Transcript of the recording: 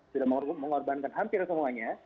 sudah mengorbankan hampir semuanya